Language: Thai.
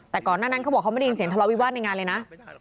แต่ก่อนหน้านั้นเขาบอกเขาไม่ได้ยินเสียงทะเลาวิวาสในงานเลยนะ